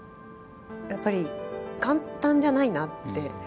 やっぱり簡単じゃないなって。